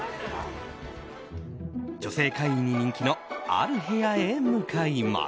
女性会員に人気のある部屋へ向かいます。